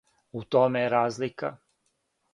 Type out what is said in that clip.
У томе је разлика.